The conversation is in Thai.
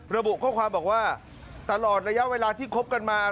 ระบุข้อความบอกว่าตลอดระยะเวลาที่คบกันมา